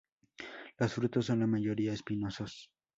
Los frutos son la mayoría espinosos.